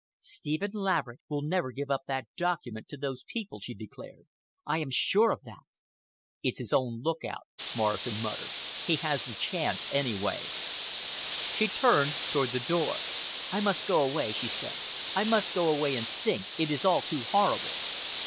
"Stephen Laverick will never give up that document to those people," she declared. "I am sure of that." "It's his own lookout," Morrison muttered. "He has the chance, anyway." She turned toward the door. "I must go away," she said. "I must go away and think. It is all too horrible."